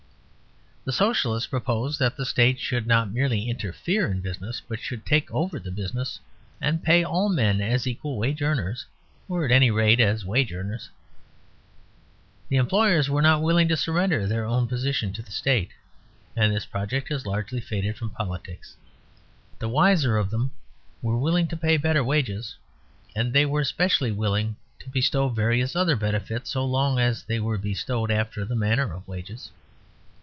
The Socialists proposed that the State should not merely interfere in business but should take over the business, and pay all men as equal wage earners, or at any rate as wage earners. The employers were not willing to surrender their own position to the State, and this project has largely faded from politics. But the wiser of them were willing to pay better wages, and they were specially willing to bestow various other benefits so long as they were bestowed after the manner of wages.